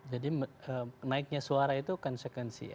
jadi naiknya suara itu konsekuensi ya